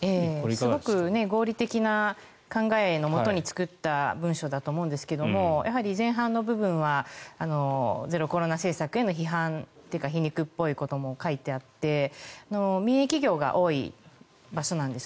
すごく合理的な考えのもとに作った文書だと思うんですけどやはり前半の部分はゼロコロナ政策への批判や皮肉っぽいことも書いてあって民営企業が多い場所なんです。